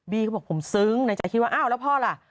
เขาบอกผมซึ้งในใจคิดว่าอ้าวแล้วพ่อล่ะ